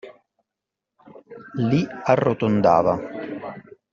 Li arrotondava.